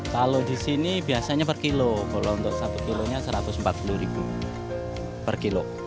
kalau di sini biasanya per kilo kalau untuk satu kilonya rp satu ratus empat puluh per kilo